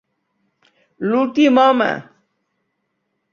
L'últim Home!